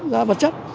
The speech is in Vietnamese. ra vật chất